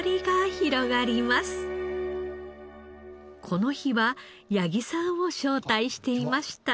この日は八木さんを招待していました。